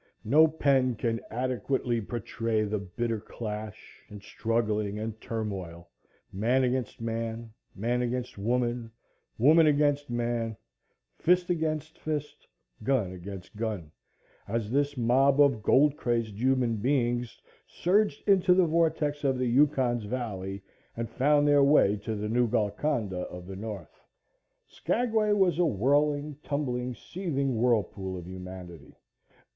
No pen can adequately portray the bitter clash, and struggling, and turmoil man against man, man against woman, woman against man, fist against fist, gun against gun, as this mob of gold crazed human beings surged into the vortex of the Yukon's valley and found their way to the new Golconda of the north. Skagway was a whirling, tumbling, seething whirlpool of humanity.